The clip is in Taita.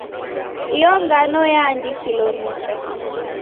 Iyo ngano yaandikilo nicha.